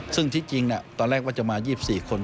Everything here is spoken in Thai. ซึ่งที่จริงตอนแรกว่าจะมา๒๔คน